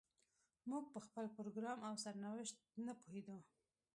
موږ په خپل پروګرام او سرنوشت نه پوهېدو.